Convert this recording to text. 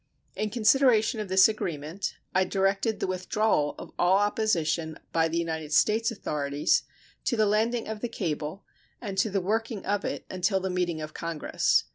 In consideration of this agreement I directed the withdrawal of all opposition by the United States authorities to the landing of the cable and to the working of it until the meeting of Congress.